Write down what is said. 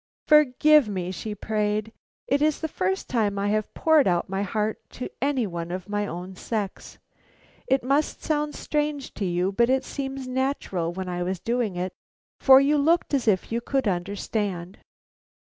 "Forgive me," she prayed. "It is the first time I have poured out my heart to any one of my own sex. It must sound strange to you, but it seemed natural while I was doing it, for you looked as if you could understand."